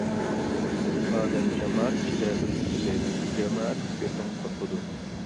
ئادەم جامائەت ئىچىدە ئۆزىنى تۈزەيدۇ، جامائەت پىكرىدىن قورقىدۇ.